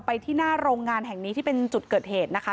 ที่หน้าโรงงานแห่งนี้ที่เป็นจุดเกิดเหตุนะคะ